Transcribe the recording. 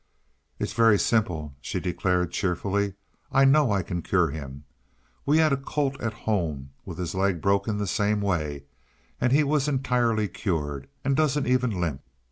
"It's very simple," she declared, cheerfully. "I know I can cure him. We had a colt at home with his leg broken the same way, and he was entirely cured and doesn't even limp.